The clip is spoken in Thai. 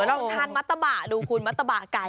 ลองทานมัตตะบะดูคุณมัตตะบะไก่